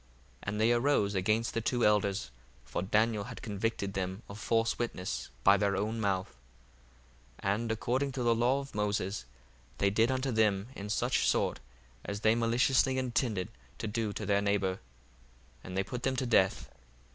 1:61 And they arose against the two elders, for Daniel had convicted them of false witness by their own mouth: 1:62 And according to the law of Moses they did unto them in such sort as they maliciously intended to do to their neighbour: and they put them to death.